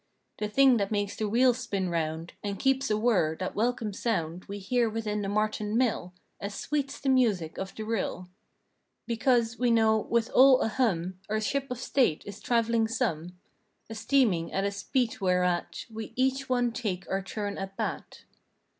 The thing that makes the wheels spin round And keeps a whir that welcome sound We hear within the mart and mill As sweet's the music of the rill— Because, we know, with all a hum. Our ship of state is trav'ling some; A steaming at a speed whereat We each one take our turn at bat.